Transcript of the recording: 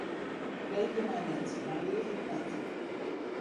Freegje my net, dan liich ik net.